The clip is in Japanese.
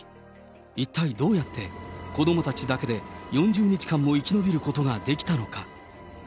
一体どうやって、子どもたちだけで４０日間も生き延びることができたのか。